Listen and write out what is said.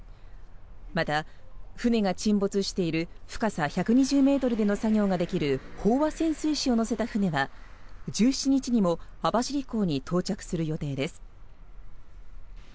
また、船が沈没している深さ１２０ｍでの作業ができる飽和潜水士を乗せた船は１７日にも網走港に到着する予定です。